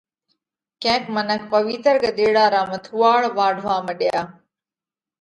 ڪينڪ منک پوَيتر ڳۮيڙا را مٿُوئاۯ واڍوا مڏيا،